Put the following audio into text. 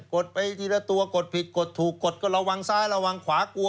ดไปทีละตัวกดผิดกดถูกกดก็ระวังซ้ายระวังขวากลัว